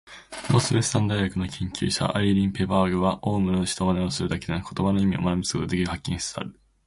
ノースウエスタン大学の研究者、アイリーン・ペパーバーグは、オウムは人の口まねをするだけでなく言葉の意味を学ぶことができることを発見しつつある。